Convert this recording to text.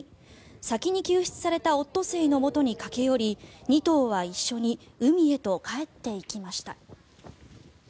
先に救出されたオットセイのもとに駆け寄り２頭は一緒に海へと帰っていきました。